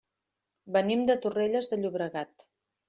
Venim de Torrelles de Llobregat.